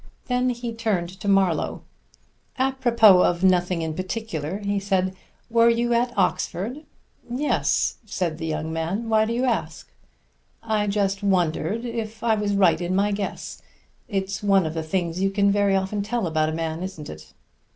Then he turned to Marlowe. "Apropos of nothing in particular," he said, "were you at Oxford?" "Yes," said the young man. "Why do you ask?" "I just wondered if I was right in my guess. It's one of the things you can very often tell about a man, isn't it?"